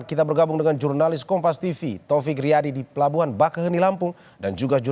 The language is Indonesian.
kita bergabung dengan jurnalis kompas tv taufik riyadi di pelabuhan bakahenilampung